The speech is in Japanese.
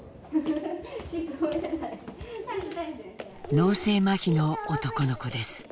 脳性まひの男の子です。